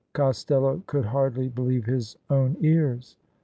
" Costello could hardly i)elieve his own ears.